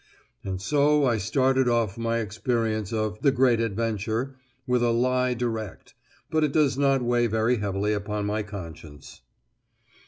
And so I started off my experience of "the great adventure" with a "lie direct": but it does not weigh very heavily upon my conscience.